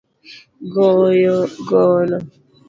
Goyo gono